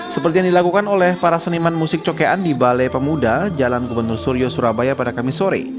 seperti yang dilakukan oleh para seniman musik cokean di balai pemuda jalan gubernur suryo surabaya pada kamis sore